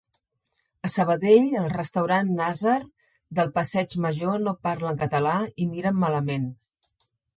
A Sabadell el restaurant Nazar del passeig major no parlen català i miren malament